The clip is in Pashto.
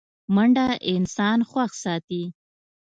منډه انسان خوښ ساتي